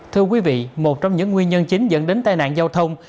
thưa quý vị một trong những nguyên nhân chính dẫn đến tai nạn giao thông